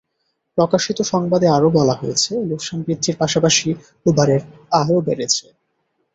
প্রকাশিত সংবাদে আরও বলা হয়েছে, লোকসান বৃদ্ধির পাশাপাশি উবারের আয়ও বাড়ছে।